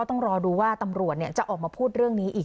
ผู้หญิงมาร้องตรงนี้